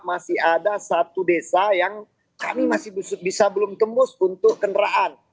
masih ada satu desa yang kami masih bisa belum tembus untuk kendaraan